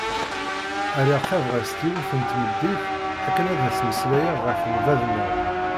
Rriɣ tabɣest yiwet n tmeddit akken ad as-mmeslayeɣ ɣef lbaḍna-w.